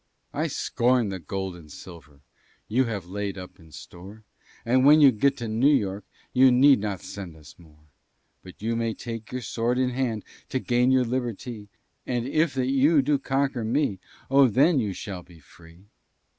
"I scorn the gold and silver You have laid up in store, And when you get to New York, You need not send us more; But you may take your sword in hand To gain your liberty, And if that you do conquer me, Oh, then you shall be free."